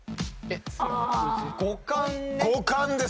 五冠です。